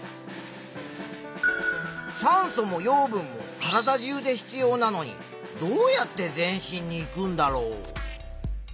酸素も養分も体中で必要なのにどうやって全身にいくんだろう？